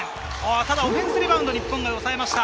ただオフェンスリバウンド、日本が抑えました。